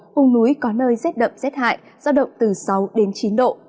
hùng núi có nơi rét đậm rét hại giao động từ sáu đến chín độ